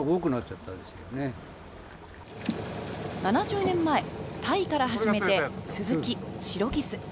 ７０年前、タイから初めてスズキ、シロギス。